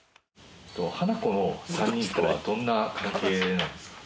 ハナコの３人とはどんな関係なんですか？